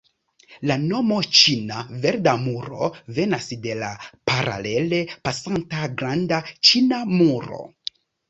La nomo Ĉina Verda Muro venas de la paralele pasanta Granda Ĉina Muro.